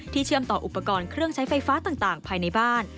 เชื่อมต่ออุปกรณ์เครื่องใช้ไฟฟ้าต่างภายในบ้าน